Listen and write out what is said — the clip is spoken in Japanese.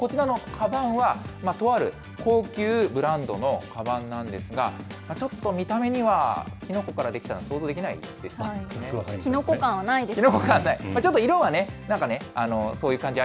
こちらのかばんは、とある高級ブランドのかばんなんですが、ちょっと見た目にはキノコから出来たキノコ感はないですよね。